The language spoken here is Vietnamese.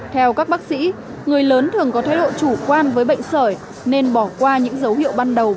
theo các bác sĩ người lớn thường có thái độ chủ quan với bệnh sởi nên bỏ qua những dấu hiệu ban đầu